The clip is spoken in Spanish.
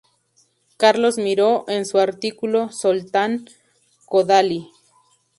Carlos Miró, en su artículo "Zoltán Kodály.